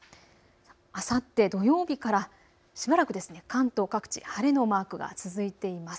あさって土曜日からしばらく関東各地晴れのマークが続いています。